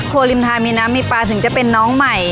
ริมทางมีน้ำมีปลาถึงจะเป็นน้องใหม่